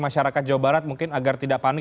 masyarakat jawa barat mungkin agar tidak panik